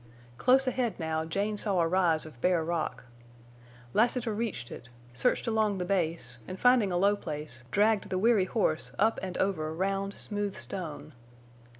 Close ahead now Jane saw a rise of bare rock. Lassiter reached it, searched along the base, and, finding a low place, dragged the weary horse up and over round, smooth stone.